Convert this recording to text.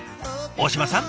大島さん